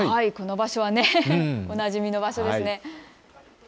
この場所はおなじみの場所ですね。